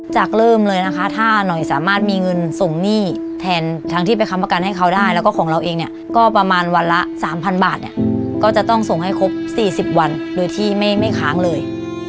เริ่มเลยนะคะถ้าหน่อยสามารถมีเงินส่งหนี้แทนทั้งที่ไปค้ำประกันให้เขาได้แล้วก็ของเราเองเนี่ยก็ประมาณวันละ๓๐๐บาทเนี่ยก็จะต้องส่งให้ครบ๔๐วันโดยที่ไม่ค้างเลย